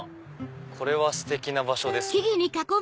これはステキな場所ですね。